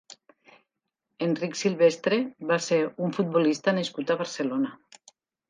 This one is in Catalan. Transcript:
Enric Silvestre va ser un futbolista nascut a Barcelona.